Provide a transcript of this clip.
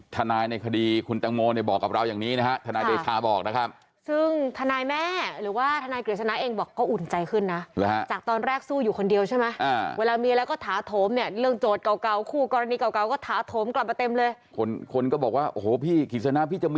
ทำครบแล้วก็ไม่จำเป็นต้องทำอีกนะครับ